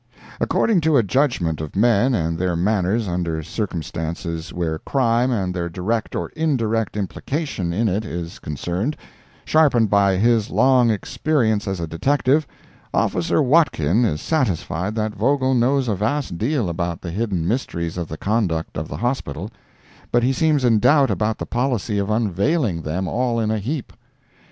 According to a judgment of men and their manners under circumstances where crime and their direct or indirect implication in it is concerned, sharpened by his long experience as a detective, Officer Watkin is satisfied that Vogel knows a vast deal about the hidden mysteries of the conduct of the Hospital, but he seems in doubt about the policy of unveiling them all in a heap.